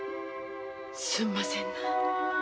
すんませんな。